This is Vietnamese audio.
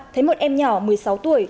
thấy một em nhỏ một mươi sáu tuổi